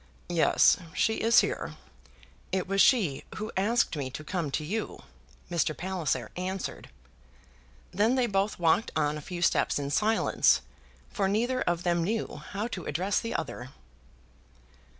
"Yes, she is here. It was she who asked me to come to you," Mr. Palliser answered. Then they both walked on a few steps in silence, for neither of them knew how to address the other.